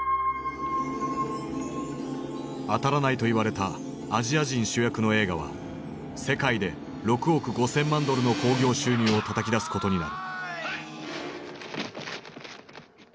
当たらないと言われたアジア人主役の映画は世界で６億５，０００万ドルの興行収入をたたき出すことになる。